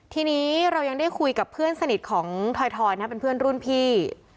ทีนี้เรายังได้คุยกับเพื่อนสนิทของถอยนะเป็นเพื่อนรุ่นพี่